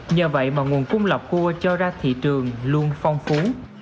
nhờ vậy mà nguồn cung lọc cua cho ra thị trường luôn phong phú